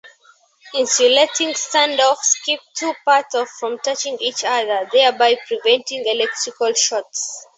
Insulating standoffs keep two parts from touching each other, thereby preventing electrical shorts.